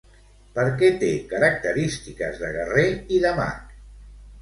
Per què té característiques de guerrer i de mag?